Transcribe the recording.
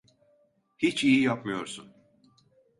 Hiç iyi yapmıyorsun…